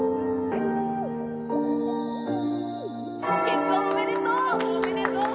結婚おめでとう！